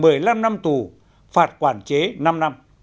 nguyễn văn đài một mươi năm năm tù phạt quản chế năm năm